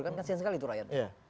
kan kasian sekali itu rakyat